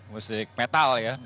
musik metal ya